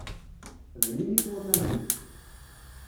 Bninit waman-nni.